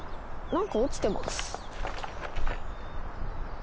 何か落ちてます。